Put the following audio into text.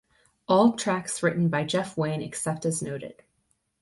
All tracks written by Jeff Wayne except as noted.